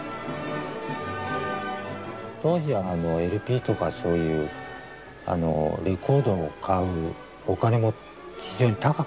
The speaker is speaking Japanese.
当時はＬＰとかそういうレコードを買うお金も非常に高かったもんですから。